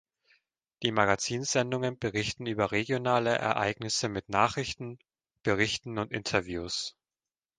Die Magazinsendungen berichten über regionale Ereignisse mit Nachrichten, Berichten und Interviews.